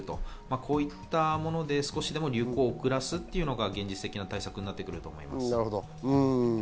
こういったもので少しでも流行を遅らせるというのが現実的な対策だと思います。